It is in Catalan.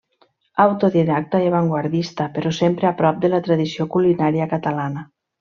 Autodidacta i avantguardista, però sempre a prop de la tradició culinària catalana.